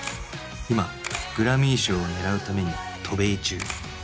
今グラミー賞を狙うために渡米中